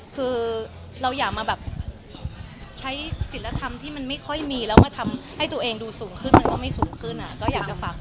คือเราอยากมาแบบใช้ศิลธรรมที่มันไม่ค่อยมีแล้วมาทำให้ตัวเองดูสูงขึ้นมันก็ไม่สูงขึ้นอ่ะก็อยากจะฝาก